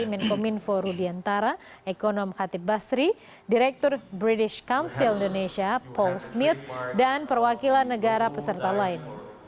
menkominfo rudiantara ekonom khatib basri direktur british council indonesia paul smith dan perwakilan negara peserta lain